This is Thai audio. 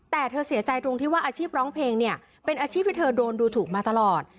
แต่เธอเสียใจตรงที่ว่าอาชีพร้องเพลงเนี่ยเป็นอาชีพที่เธอโดนดูถูกมาตลอด